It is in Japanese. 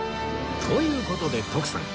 という事で徳さん